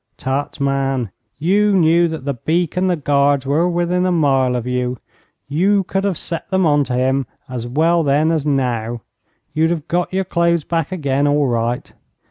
'Tut, man; you knew that the beak and the guards were within a mile of you. You could have set them on to him as well then as now. You'd have got your clothes back again all right.'